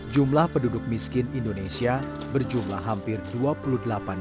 jumlah penduduk miskin indonesia berjumlah hampir dua puluh delapan orang